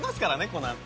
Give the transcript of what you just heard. このあと。